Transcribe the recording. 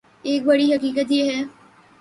ایک بڑی حقیقت یہ ہے